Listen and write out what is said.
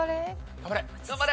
頑張れ！